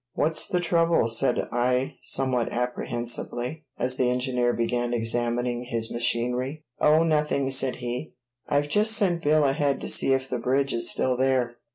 "What's the trouble?" said I somewhat apprehensively, as the engineer began examining his machinery. "Oh, nothing," said he. "I've just sent Bill ahead to see if the bridge is still there."